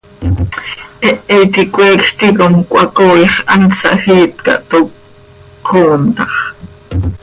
¡Hehe iti coeecj ticom cöhacooix hant sahjiit ca, toc cöxoom tax!